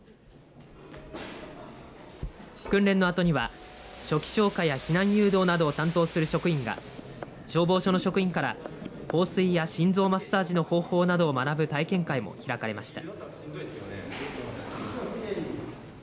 訓練のあとには初期消火や避難誘導などを担当する職員が消防署の職員から放水や心臓マッサージの方法などを学ぶ体験会も開かれました。